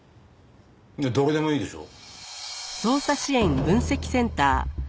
いや誰でもいいでしょ。